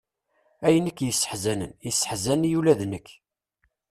Ayen i k-yesseḥzanen, yesseḥzan-iyi ula d nekk.